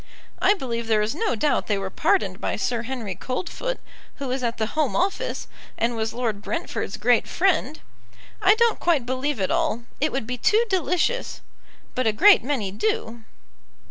I believe there is no doubt they were pardoned by Sir Henry Coldfoot, who was at the Home Office, and was Lord Brentford's great friend. I don't quite believe it all, it would be too delicious; but a great many do."